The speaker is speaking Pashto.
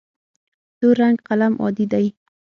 تور رنګ قلم عام دی.